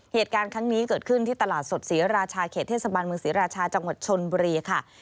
เหตุการณ์ครั้งนี้เกิดขึ้นที่ตลาดสดศรีราชาเขตเทศบาลเมืองศรีราชาจังหวัดชนบุรีค่ะ